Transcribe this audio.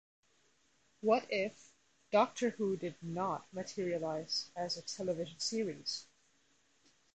What if... "Doctor Who" did not materialise as a television series?